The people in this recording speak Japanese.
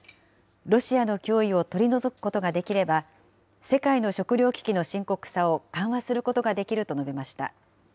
ロシアの脅威を取り除くことができれば、世界の食料危機の深刻さを緩和することができると述べました。